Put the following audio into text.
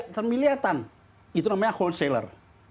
termilihatan itu namanya wholesaler